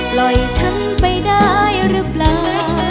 ปล่อยฉันไปได้รึเปล่า